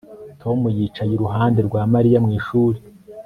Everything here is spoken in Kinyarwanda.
Tom yicaye iruhande rwa Mariya mu ishuri